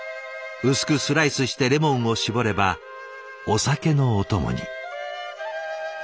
薄くスライスしてレモンを搾ればお酒のお供に。